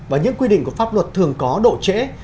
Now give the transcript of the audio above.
và những quy định của pháp luật thường có độ trễ